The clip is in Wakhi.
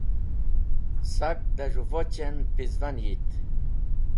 sak da z̃hu voch'en peezvan yit